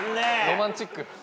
ロマンチック。